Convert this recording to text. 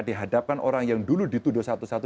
dihadapkan orang yang dulu dituduh satu satu